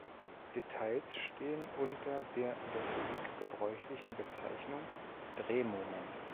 Details stehen unter der in der Physik gebräuchlichen Bezeichnung Drehmoment.